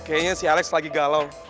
ngerasa sih kayaknya si alex lagi galau